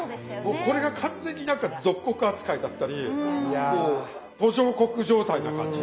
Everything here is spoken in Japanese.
もうこれが完全に何か属国扱いだったりもう途上国状態な感じ。